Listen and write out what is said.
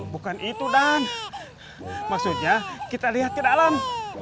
bukan itu dan maksudnya kita lihat ke dalam